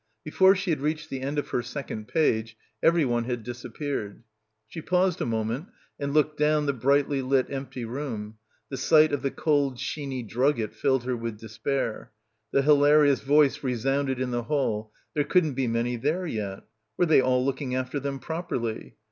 Before she had reached the end of her second page everyone had disappeared. She paused a moment and looked down the brightly lit empty room — the sight of the cold sheeny drugget filled her with — 5S — PILGRIMAGE despair. The hilarious voice resounded in the hall. There couldn't be many there yet. Were they all looking after them properly?